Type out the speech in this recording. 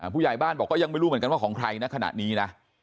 ผู้ใหญ่บ้านบอกก็ยังไม่รู้เหมือนกันว่าของใครนะขณะนี้นะ